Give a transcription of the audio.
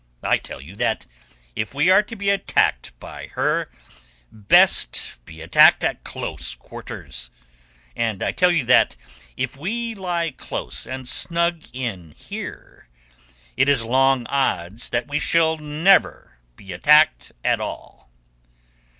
I tell you that if we are to be attacked by her, best be attacked at close quarters, and I tell you that if we lie close and snug in here it is long odds that we shall never be attacked at all.